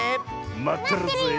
まってるぜえ。